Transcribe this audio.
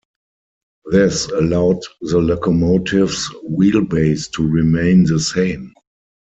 This allowed the locomotive's wheelbase to remain the same.